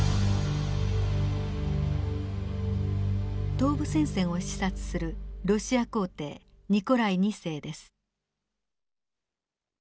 東部戦線を視察するロシア皇帝ニコライ２世です。